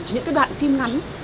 những cái đoạn phim ngắn